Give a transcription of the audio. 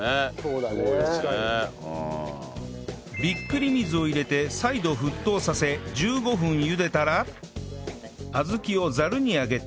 ビックリ水を入れて再度沸騰させ１５分ゆでたら小豆をざるにあけて渋切りした